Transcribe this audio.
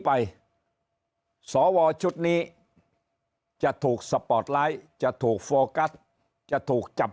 ไปสวชุดนี้จะถูกสปอร์ตไลท์จะถูกโฟกัสจะถูกจับ